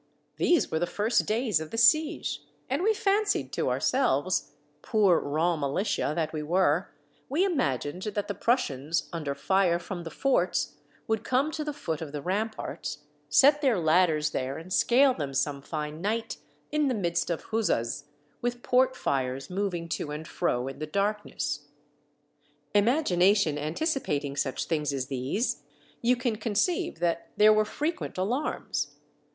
These were the first days of the siege, and we fancied to ourselves, poor raw militia that we were, we imagined that the Prussians, under fire from the forts, would come to the foot of the ramparts, set their ladders there and scale them some fine night, in the midst of huzzas, with port fires moving to and fro in the darkness. Imagination anticipating such things as these, you can conceive that there were frequent alarms.